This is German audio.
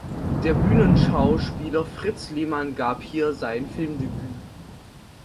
Der Bühnenschauspieler Fritz Lehmann gab hier sein Filmdebüt.